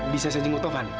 bisa saya jenguk taufan